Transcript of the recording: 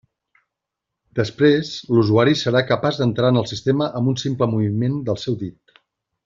Després, l'usuari serà capaç d'entrar en el sistema amb un simple moviment del seu dit.